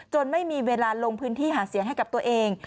ไม่มีเวลาลงพื้นที่หาเสียงให้กับตัวเอง